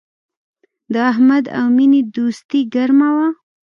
د احمد او مینې دوستي گرمه وه